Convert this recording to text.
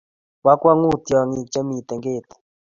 bo konkwong'ut tyong'ik che mito kerti